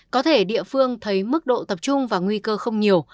có thể địa phương thấy mức độ tập trung và nguy cơ không nhiều